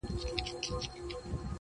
داببر ببر لاسونه -